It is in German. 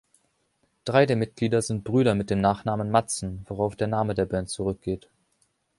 Drei der Mitglieder sind Brüder mit dem Nachnamen Madsen, worauf der Name der Band zurückgeht.